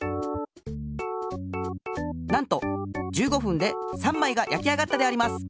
なんと１５ふんで３まいがやき上がったであります。